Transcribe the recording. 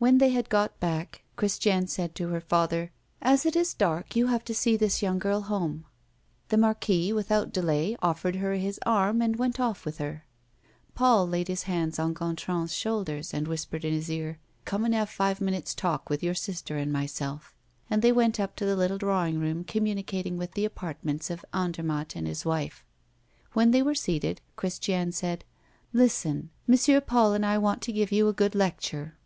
When they had got back, Christiane said to her father: "As it is dark, you have to see this young girl home." The Marquis, without delay, offered her his arm, and went off with her. Paul laid his hands on Gontran's shoulders, and whispered in his ear: "Come and have five minutes' talk with your sister and myself." And they went up to the little drawing room communicating with the apartments of Andermatt and his wife. When they were seated, Christiane said: "Listen! M. Paul and I want to give you a good lecture."